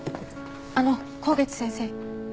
あの香月先生。